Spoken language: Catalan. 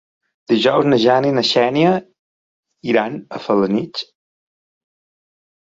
Dijous na Jana i na Xènia iran a Felanitx.